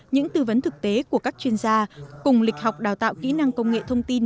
những tư vấn thực tế của các chuyên gia cùng lịch học đào tạo kỹ năng công nghệ thông tin